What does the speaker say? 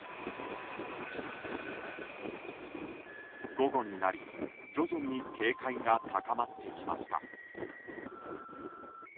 午後になり、徐々に警戒が高まってきました。